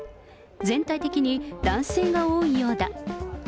全体的に男性が多いようだ。